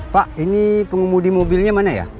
pak ini pengemudi mobilnya mana ya